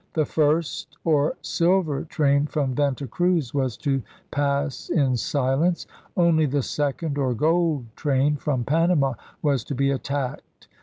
The first, or silver train from Venta Cruz, was to pass in silence; only the second, or gold train from Panama, was to be attacked.